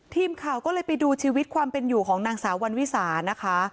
ทีมข่าวก็เลยไปดูชีวิตความเป็นอยู่ของนางสาววันวิสานะคะ